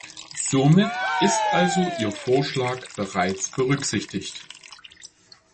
Somit ist also Ihr Vorschlag bereits berücksichtigt.